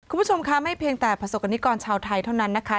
คุณผู้ชมค่ะไม่เพียงแต่ประสบกรณิกรชาวไทยเท่านั้นนะคะ